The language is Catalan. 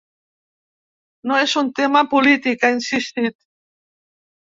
No és un tema polític, ha insistit.